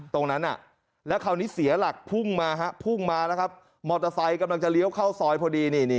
ตรงนั้นแล้วคราวนี้เสียหลักพุ่งมาฮะพุ่งมาแล้วครับมอเตอร์ไซค์กำลังจะเลี้ยวเข้าซอยพอดี